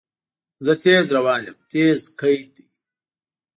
زه تیز روان یم – "تیز" قید دی.